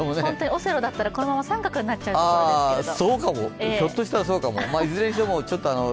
オセロだったら、このまま△になっちゃうところですけども。